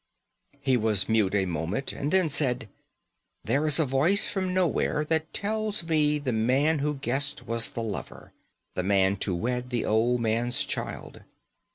He was mute a moment, and then said: "There is a voice from nowhere that tells me the man who guessed was the lover... the man to wed the old man's child."